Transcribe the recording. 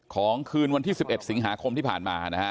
คืนวันที่๑๑สิงหาคมที่ผ่านมานะฮะ